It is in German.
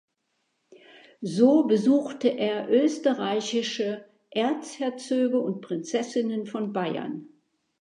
So besuchte er österreichische Erzherzöge und Prinzessinnen von Bayern.